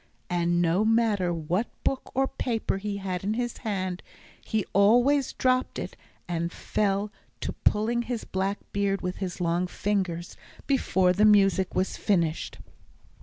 And no matter what book or paper he had in his hand, he always dropped it and fell to pulling his black beard with his long fingers, before the music was finished.